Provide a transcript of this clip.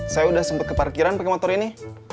saya udah sempet ke parkiran pake motor ini